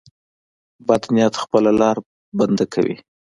بد نیت خپله لار بنده کوي.